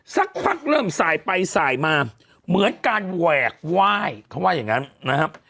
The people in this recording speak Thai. สักพักเริ่มสายไปสายมาเหมือนการแหวกไหว้เขาว่าอย่างนั้นนะครับ